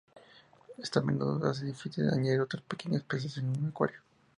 Esto a menudo hace difícil añadir otros pequeños peces en un acuario.